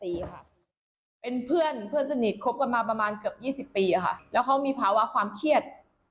เป็นเพื่อนเพื่อนสนิทคบกันมาประมาณเกือบ๒๐ปีค่ะแล้วเขามีภาวะความเครียด